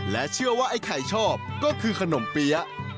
และเชื่อว่าไอ้ไข่ชอบก็คือขนมเปี๊ยะ